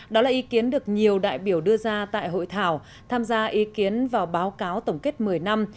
đó là ý kiến được nhiều đại biểu đưa ra tại hội thảo tham gia ý kiến vào báo cáo tổng kết một mươi năm